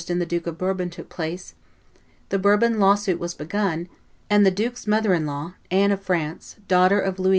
and the Duke of Bourbon took place; the Bourbon lawsuit was begun; and the duke's mother in law, Anne of France, daughter of Louis XI.